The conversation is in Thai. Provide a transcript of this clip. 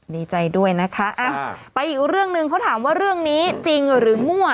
ดีใจด้วยนะคะไปอีกเรื่องหนึ่งเขาถามว่าเรื่องนี้จริงหรือมั่ว